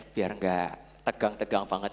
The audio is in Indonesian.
biar nggak tegang tegang banget